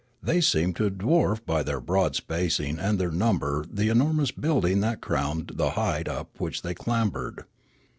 They seemed to dwarf by their broad spacing and their number the enormous building that crowned the height up which they clambered.